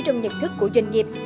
trong nhật thức của doanh nghiệp